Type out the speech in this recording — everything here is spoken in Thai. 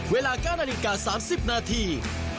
เวลาการริกา๓๐นาที